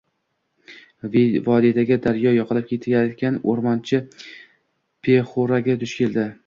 Vodiydagi daryo yoqalab ketarkan, oʻrmonchi Pexuraga duch keldi.